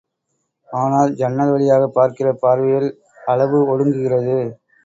ஆனால் ஜன்னல் வழியாகப் பார்க்கிற பார்வையில் அளவு ஒடுங்குகிறது.